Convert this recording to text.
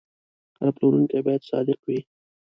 هر پلورونکی باید صادق وي.